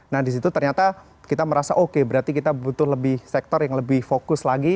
nah disitu ternyata kita merasa oke berarti kita butuh lebih sektor yang lebih fokus lagi